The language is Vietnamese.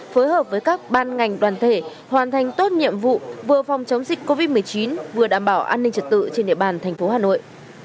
phối hợp với các ban ngành đoàn thể hoàn thành tốt nhiệm vụ vừa phòng chống dịch covid một mươi chín vừa đảm bảo an ninh trật tự trên địa bàn thành phố hà nội